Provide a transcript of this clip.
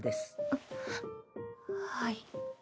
あっはい。